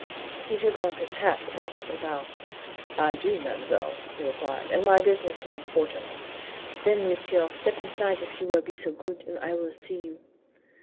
He took off his hat with a courtly bow. "I do, mademoiselle," he replied, "and my business is important." "Then, monsieur, step inside if you will be so good, and I will see you."